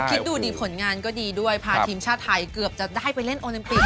คิดดูดีผลงานก็ดีด้วยพาทีมชาติไทยเกือบจะได้ไปเล่นโอลิมปิก